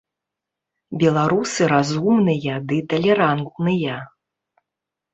Беларусы разумныя ды талерантныя.